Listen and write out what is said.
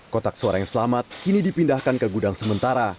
kotak suara yang selamat kini dipindahkan ke gudang sementara